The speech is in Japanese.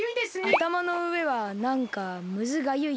あたまのうえはなんかむずがゆい。